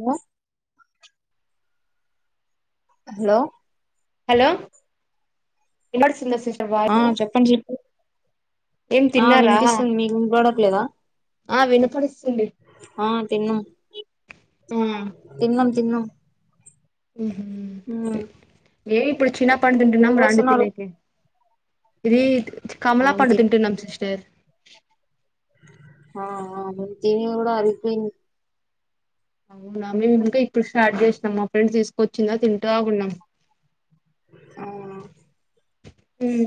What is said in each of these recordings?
ఊ hello hello ఎంద [unintelligible] ఆ చెప్పండి స్లిప్ ఏం ఆ తిన్నారా వినిపిస్తుంది మీక్ వినిపడట్లేదా ఆ వినపడిస్తుంది ఆ తిన్నం తిన్న మ్ ఉ మేమిప్పుడు చీనా పండ్ ఏం తింటున్నాం రాండి చేస్తున్నారు తినేకి ఇదిత్ కమలా మేము పండు తిన్ తింటునం సిస్టర్ ఆ అ మేం తినేది కూడా అరిగిపోయిన్ది అవునా మేము ఇంకా ఇప్పుడు స్టార్ట్ చేసినాం మా ఫ్రెండ్ తిస్ వచ్చిందా తింటా ఉన్నాం ఆ మ్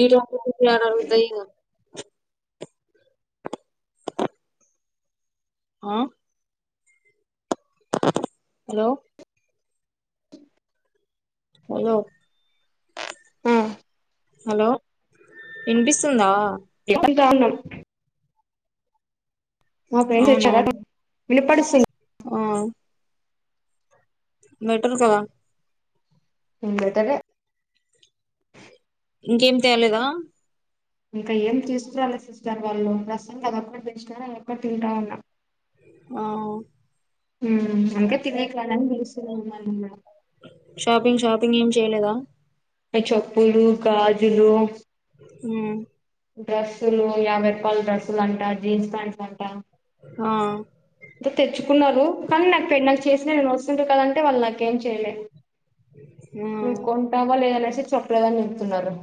ఈ రగుతాయ [unintelligible] ఆ హలో అలో ఆ హలో విన్పిస్తుందా ఎకుంత ఉన్నాం [unintelligible] మా ఫ్రండ్ తెచ్చారా అవునవును వినపడిస్తూ ఆ బెటర్ కదా బెటరే ఇంకేం చెయ్లేదా ఇంకా ఏం తీసుక్రాలే సిస్టర్ వాళ్ళు రసం అదొక్కటి తెచ్నార్ అదొక్కటి తింటా ఉన్నా ఆవ్ [inaudible] మామల్ని గూడ షాపింగ్ షాపింగ్ ఏం చెయ్లేదా చెప్పులు గాజులు హ్మ్ డ్రెస్సులు యాబై రూపాయల డ్రెస్సులు అంట జీన్స్ ప్యాంట్స్ అంట ఆ టె తెచ్చుకున్నారు కానీ నాకు పెళ్ నాక్ చేసిన నేను వస్తుంట కదంటే వాళ్ళు నాకేం చెయ్లే నువ్ మ్మ్ కొంటావా లే అనేసి చెప్లేద్ అని చెప్తున్నరు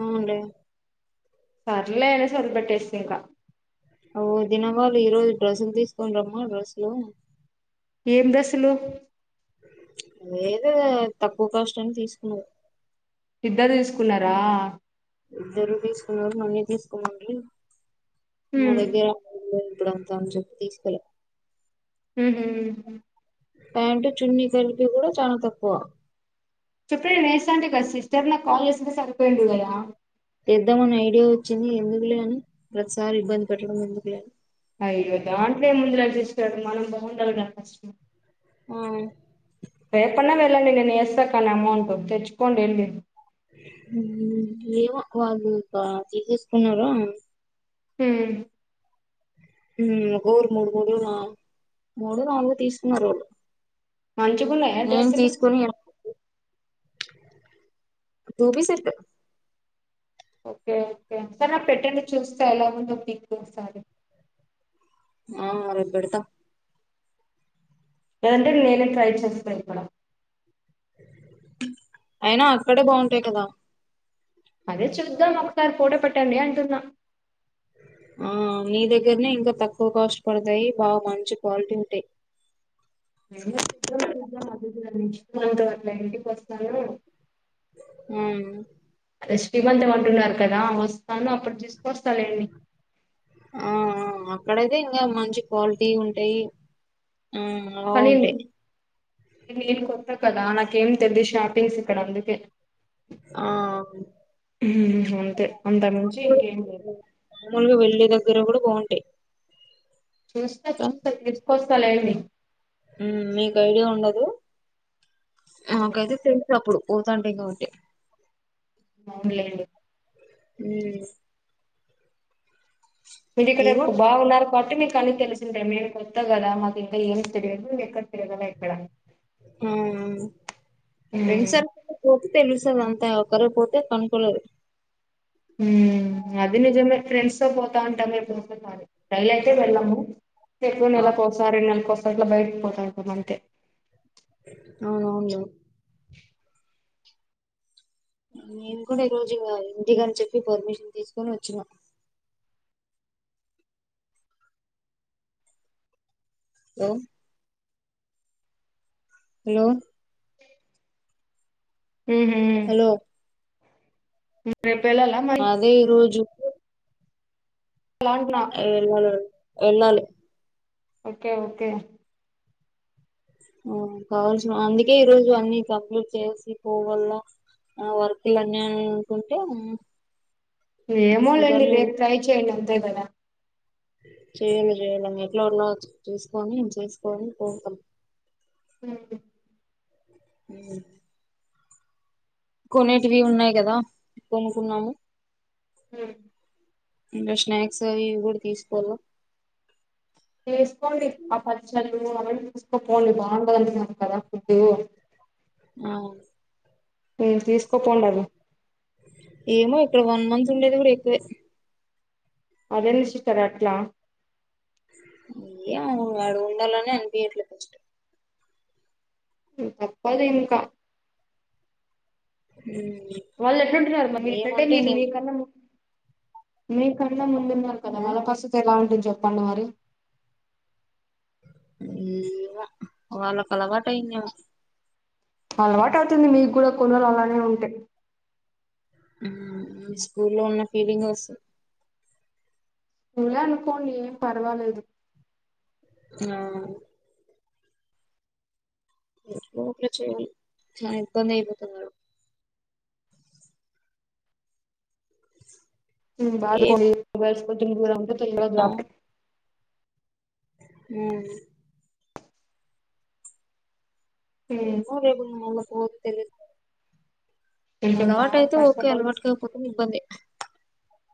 అవున్లే పర్లేదు అనేస్ వదిలిపేట్టేస్నా ఇంకా ఓ దినవాళ్ళు ఈ రోజు డ్రెస్సులు తీసుకొన్రమ్మా డ్రెస్సులు ఏం డ్రెస్సులు ఏదో తక్కువ కాస్ట్ అన్ తీస్కున్నా ఇద్దర్దిస్కున్నారా ఇద్దరు తీస్కున్నారు మనీ తీస్కోమండ్రీ మా ఉమ్ దగ్గర [inaudible] ఇప్పుడంతా అన్ చెప్పి తీస్కోలే హ్మ్ హు ప్యాంటు చున్నిస్ కలిపి గూడా చాలా తక్కువ‌ చెప్పేయి [unintelligible] సిస్టర్ నాక్కాల్ జేస్తే సరిపోయిండు గదా తెద్దామని ఐడియా వచ్చింది ఎందుకులే అని ప్రత్సారి ఇబ్బంది పెట్టడం ఎందుకులే అని అయ్యో దాంట్లో ఏముందిలే సిస్టర్ మనం బావుండాలి గదా ఫస్ట్ ఆ రేపన్నా వెళ్ళండి నేను యేస్తానక అమౌంట్ తెచ్చుకోండెల్లి హ్మ్ ఏమో వాళ్లు ఇకా తీసేస్కున్నారో ఉమ్ హ్మ్ ఒకొర్కు మూడు కోట్లో నాల్ మూడొ నాలుగొ తీస్కున్నారు వాళ్ళు మంచిగున్నయ్ నేన్తీస్కొని టూపీసెట్టు ఓకె ఓకె, సర్ నాక్పెట్టండి చూస్త ఎలా ఉందో పిక్ ఒసారి ఆ రేప్బేడుతా లేదంటే నేనే ట్రై చేస్ పెడ్తాడ అయినా అక్కడే బాగుంటాయ్ కదా అదే చూద్దాం ఒక్సారి పోటో పెట్టండి అంటున్నా ఆ నీ దగ్గర్నే ఇంకా తక్కువ కాస్ట్ పడతాయ్ బా మంచి క్వాలిటీ ఉంటయ్ మేము చూద్దాం చూద్దామ్ [inaudible] అట్లా ఇంటికొస్తాను ఆ రేస్టీమంతమంటున్నారు కదా వస్తాను అప్పుడు తీసుకొస్తా లెండి ఆఆ అక్కడయితే ఇంగా మంచి క్వాల్టీ ఉంటయి ఆ [unintelligible] నేన్ కొత్త కదా నాకేం తెలీద్ షాపింగ్స్ ఇక్కడ అందుకే ఆ ఉ అంతే అంత మించి ఇంకేం లేదు మాములుగా వెల్లి దగ్గర గూడా బావుంటాయి చూస్తా చూస్తా తీసుకొస్తాలెండి ఉ మీకు ఐడియా ఉందా అది హ్మ్. నాకైతే తెలుసప్పుడు పోతుంటాయి గాబట్టి ఔన్లెండి ఊ మీకిక్కడ ఏమో ఎక్కు బాగు ఉన్నారు కాబట్టి మీకన్ని తెలుసు మేము కొత్త గదా మాకు ఇంక ఏం తెలియదు ఎక్కడ తిరగలే ఎక్కడ ఊ ఉమ్ ఫ్రెండ్సర్ పోపు తెలుసు అదంతా ఒకరు పోతే కనుకొలేరు ఊ అది నిజమే ఫ్రెండ్స్తో పోతా ఉంటా మేము రైలయితే వెళ్ళము ఎప్పుడు ఆ నెలకోసారి రెండు నెలలకొసారి అట్లా బయటకు పోతాఉంటామంతే అవునవును నేన్కూడా ఈరోజుగా ఇంటికని చెప్పి పర్మిషన్ తీసుకొని వచ్చిన ఓ హలో ఉహూ [unintelligible] ఉ రేపేల్లలా మళ్లీ దే ఈరోజు లాంటినా యెల్లాల యెల్లాలి ఓకె ఓకె ఊ కావల్సిన అందుకే ఈరోజు అన్ని కంప్లీట్ చేసి పోవల్ల ఆ వర్క్లని అనుకుంటే ఏమోలేండి కుదరలేదు రేపు ట్రై చేయ్యాలా అంతే కదా చేయంగా చేయంగా ఎట్లా ఉన్న చేసుకోని చేసుకోవాలని కోంటం ఉ ఉ కొనేటివి ఉన్నాయి కదా కొనుకున్నాము ఉ ఇంకా స్నాక్స్ అవి కూడా తీసుకోవాల చేేసుకోండి ఆ పచ్చళ్ళు అవన్నీ చేసుకుపోండి బాగుండది అంటున్నారు కదా ఫుడ్డు ఆ ఉ తీసుకుపోండి అవి ఏమో ఇక్కడ వన్ మంత్ ఉండేది కూడా ఎక్కువే అదేంది సిస్టర్ అట్లా ఏమో అడ ఉండాలని అనిపించట్లే ఫస్ట్ తప్పదు ఇంకా ఉమ్ వాళ్ళు ఎట్లుంటున్నారమ్మ మీరు ఇట్లంటే మీరు మీ కన్నా మీ కన్నా ముందున్నారు కదా ఆ వాళ్ళ పరిస్థితి ఎలా ఉంటుంది చెప్పండి మరి వాళ్ళకు అలవాటు అయిందేమో అలవాటు అవుతుంది మీకు కూడా కొన్ని రోజులు అలానే ఉంటే స్కూల్లో ఉన్న ఫీలింగే వస్తుంది ఇలా అనుకోండి ఏం పర్వాలేదు. నా చానా ఇబ్బంది అయిపోతది మేడం. ఉమ్ బాప తోని ఏమో చెప్పిన రైసు ఆ [unintelligible] ఉమ్ హ్మ్ ఏమో రేపు మొన్న పోతే తెలవది కొంచెం అలవాటు బాగా అయితే ఓకే కష్టపడి అలవాటు కా తే ఇబ్బందే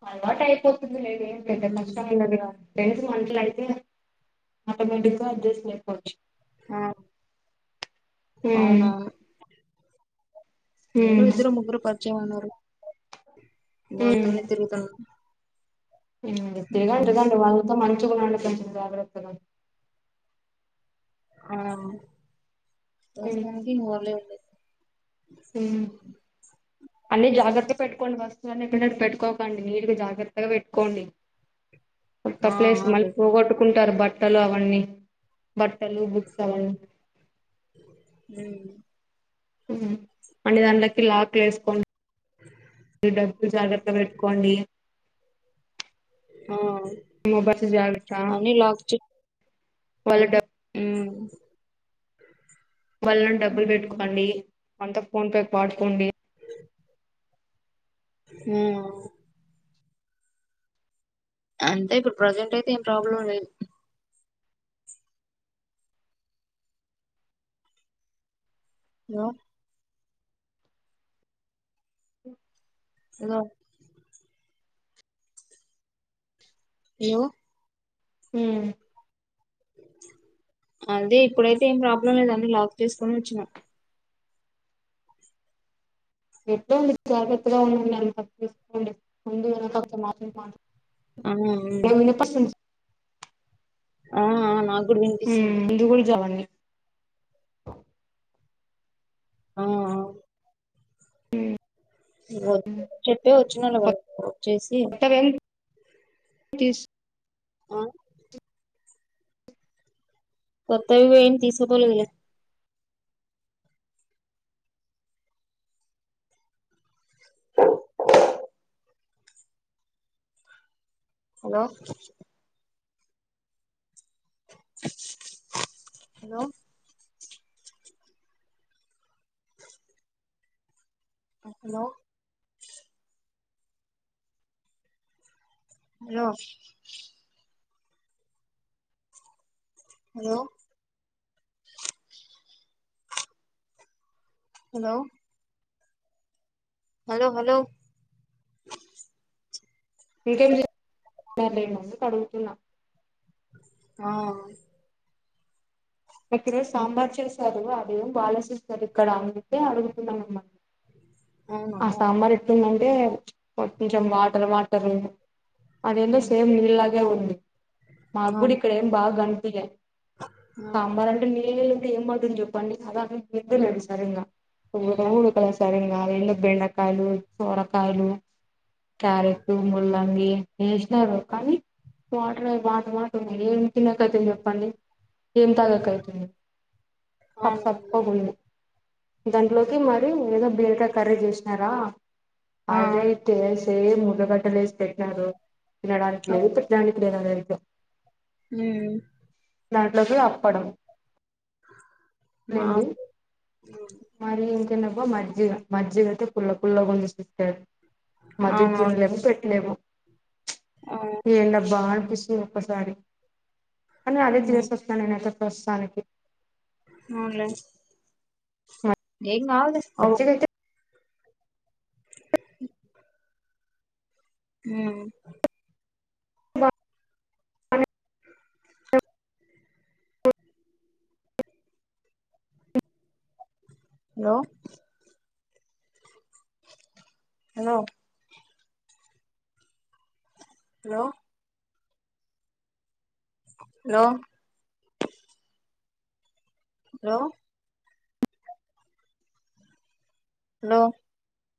అలవాటయిపోతుంది లేవే పెద్ద ఉమ్ కష్టం ఉండదుగా ఫ్రెండ్స్ మంచిగ అయితే ఆటోమేటిక్ గా అడ్జెస్ట్ అయిపోవచ్చు. ఆ హ్మ్ అవునా మీరు హ్మ్ ఇద్దరు ముగ్గురు పరిచయం ఉన్నారు హ్మ్ వాల్తోనే తిరుగుతన్నా. ఉమ్ తిరగాలి కదా వాళ్లతో మనకేం మనం కొంచెం జాగ్రత్తగా ఆ హ్మ్ దోస్తానికి ఊర్లే ఉండేది ఉమ్ అంటే జాగ్రత్త పెట్టుకోండి వస్తువులన్నీ [unintelligible] పెట్టుకోకండి, నీటిగా జాగ్రత్తగా పెట్టుకోండి. కొత్త ఆ ప్లేస్ మళ్ళీ అదే పోగొట్టుకుంటారు బట్టలు అవన్నీ, బట్టలు బుక్స్ అవన్నీ ఉమ్ ఉమ్ [unintelligible] లాక్లు వేస్కోండి మీరు డబ్బులు జాగ్రత్తగా పెట్టుకోండి. మీ బస్సు జాగ్రత్త కి లాక్ చు లా పెట్ట ఉమ్ వాళ్ళని డబ్బు ఉమ్ పెట్టుకోండి, అంత ఫోన్ పే వాడుకోండి. ఉమ్ అంటె ఇప్పుడు ప్రజెంట్ అయితే ఏం ప్రాబ్లం లేదు. హలో హలో హలో ఉమ్ అది ఇప్పుడైతే ఏం ప్రాబ్లం లేదు అన్ని లాక్ చేసుకొని వచ్చిన. ఎట్ల ఉండది జగ్రత్తగా ఉండండి, [unintelligible] ముందు ఎనక ఒక మాటలు మాట్లా ఉమ్ ఉం పల్లీ ఆ ఆ నాక్ ఉమ్ దుగుల్జవాన్ని ఆ ఆ ఉమ్ ఇగో చెప్తే వచ్చినొల్లమే కాద వచ్చేసి తీస్ ఆ కొత్తవి ఏం తీసుకుపోలేదులే. Hello hello hello hello hello hello hello hello ఇంకేమ్లే ఏం లేదు అందుకే అడుగుతున్న ఆ ఒకరు సాంబార్ చేశారు అదేం బాలె సిస్టర్ ఇక్కడ అందుకే అడుగుతున్న మిమ్మ అవునా ఆ అవును సాంబార్ ఎట్టుందంటే కొంచెం వాటర్ వాటర్ అదెందో సేమ్ నీళ్లాగే ఉంది మా కూడ ఇక్కడ ఏం బా కన్పీలే ఆ సాంబార్ అంటె నీళ్ల లెక్క ఏం బాగుంటుంది చెప్పండి అదా అనేదిలే సరింగా ఊడు ఉడుక లేదు సరింగా ఎందుకు బెండకాయలు సోరకాయలు క్యారెట్ ముల్లంగి వేశినరు కానీ వాటర్ వాటర్ వాట ర్ ఏం తినే కథ చెప్పండి ఏం తగక్ అయితుంది సప్ప ఉమ్ సప్పగుంది దాంట్లోకి మరి ఏదో బీరకాయ కర్రీ చేశినరా అదై తే ముద్ద గడ్డలు ఏసి పెట్నారు తినడానికి లేదు పెట్టడానికి లేదు అది అదైతే ఊమ్ దాంట్లోకి అప్పడం లేండి మాకు ఉం మరి ఇంకెదబ్బ మజ్జిగ మజ్జిగయితే పుల్ల పుల్లగుంది సిస్టర్ మజ్జిగ అవునవును తిన్లేము పెట్లేము ఆ ప ఏంద బ్బా అనిపిస్తుంది ఒక్కసారి కని అదే ఉమ్ తీనేసి ఒస్తాన నేనైతే ప్రస్తుతానికి అవునులే ఏం కాదులే అవు ఇదైతే ఊమ్ hello hello hello hello hello hello